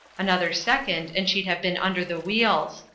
Another second and she'd have been under the wheels.